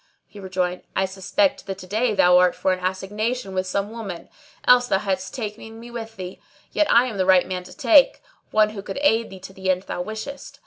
He rejoined, "I suspect that to day thou art for an assignation with some woman, else thou hadst taken me with thee; yet am I the right man to take, one who could aid thee to the end thou wishest.